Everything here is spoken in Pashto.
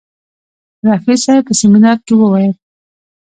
رفیع صاحب په سیمینار کې وویل.